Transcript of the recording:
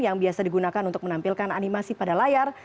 yang biasa digunakan untuk menampilkan animasi pada layar